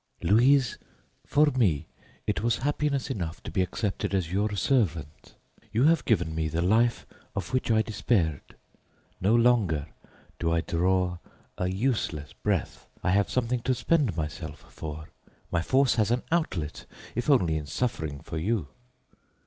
Louise, for me it was happiness enough to be accepted as your servant. You have given me the life of which I despaired. No longer do I draw a useless breath, I have something to spend myself for; my force has an outlet, if only in suffering for you.